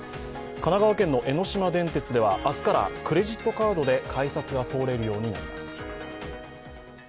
神奈川県の江ノ島電鉄では明日からクレジットカードで改札が通れるようになります。